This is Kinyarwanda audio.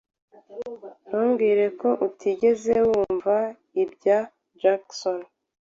Ntumbwire ko utigeze wumva ibya Jackson.